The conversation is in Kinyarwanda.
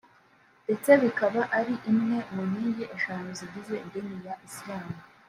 ndetse bikaba ari imwe mu nkingi eshanu zigize idini ya Isilamu